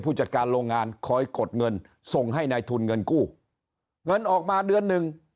จัดการโรงงานคอยกดเงินส่งให้นายทุนเงินกู้เงินออกมาเดือนหนึ่ง